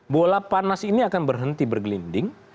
bola panas ini akan berhenti bergelinding